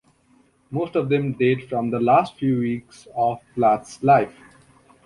Most of them date from the last few weeks of Plath's life.